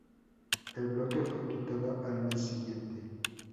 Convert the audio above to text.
El bloque fue quitado al mes siguiente.